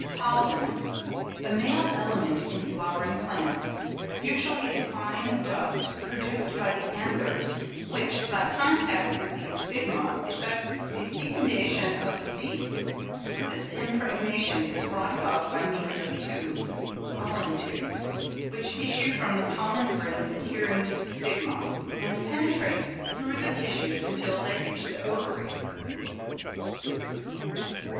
POLLEN.—The male element in flowering plants; usually a fine dust produced by the anthers, which, by contact with the stigma effects the fecundation of the seeds. This impregnation is brought about by means of tubes (pollen tubes) which issue from the pollen grains adhering to the stigma, and penetrate through the tissues until they reach the ovary.